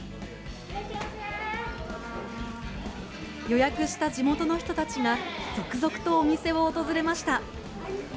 予約した地元の人たちが続々とお店を訪れました。